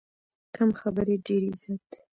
کم خبرې، ډېر عزت.